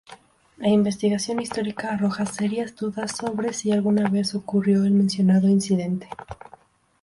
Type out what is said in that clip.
La investigación histórica arroja serias dudas sobre si alguna vez ocurrió el mencionado incidente.